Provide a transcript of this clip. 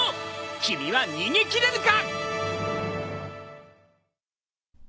君は逃げ切れるか！？